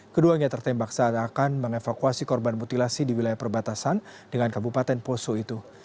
keduanya tertembak saat akan mengevakuasi korban mutilasi di wilayah perbatasan dengan kabupaten poso itu